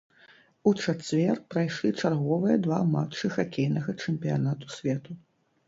У чацвер прайшлі чарговыя два матчы хакейнага чэмпіянату свету.